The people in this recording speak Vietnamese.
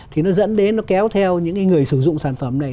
thì nó dẫn đến nó kéo theo những người sử dụng sản phẩm này